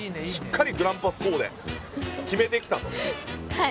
はい。